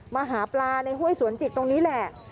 มาหาปลาในห้วยสวนจิตตรงนี้แหละ